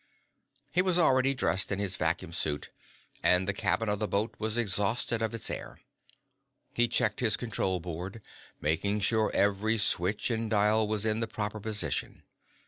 He was already dressed in his vacuum suit, and the cabin of the boat was exhausted of its air. He checked his control board, making sure every switch and dial was in the proper position.